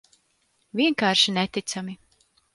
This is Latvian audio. Vienkārši neticami.